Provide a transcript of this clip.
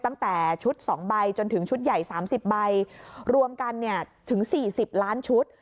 ตั้งแต่ชุด๒ใบจนถึงชุดใหญ่๓๐ใบรวมกันเนี่ยถึง๔๐ล้านชุด